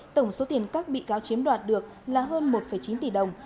tổng số tiền các bị cáo chiếm đoạt được là hơn một chín tỷ đồng